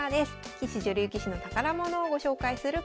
棋士女流棋士の宝物をご紹介するこのコーナー。